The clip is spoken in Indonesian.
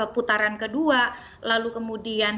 putaran kedua lalu kemudian